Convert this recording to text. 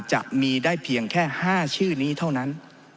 จะมีได้เพียงแค่๕ชื่อนี้เท่านั้น